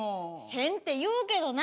変って言うけどな。